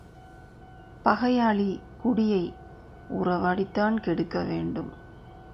பகையாளி குடியை உறவாடித்தான் கெடுக்க வேண்டும்.